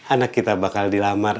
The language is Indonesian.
anak kita bakal dilamar